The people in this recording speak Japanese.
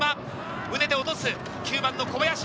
胸で落とす、９番の小林。